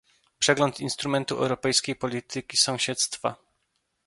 Przegląd instrumentu europejskiej polityki sąsiedztwa